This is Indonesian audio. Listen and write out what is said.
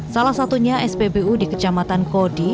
salah satunya spbu di kecamatan kodi